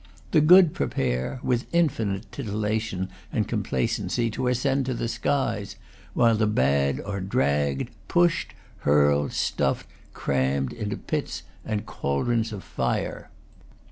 The good prepare, with infinite titilla tion and complacency, to ascend to the skies; while the bad are dragged, pushed, hurled, stuffed, crammed, into pits and caldrons of fire.